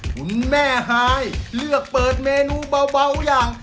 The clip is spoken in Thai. คุณแม่ฮายเลือกเปิดเมนูเบาอย่าง